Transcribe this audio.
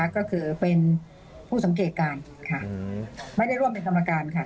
ก็คือเป็นผู้สังเกตการณ์ไม่ได้ร่วมเป็นกำลังการ